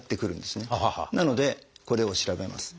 なのでこれを調べます。